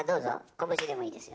拳でもいいですよ。